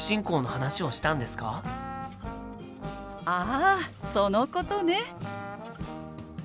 あそのことね！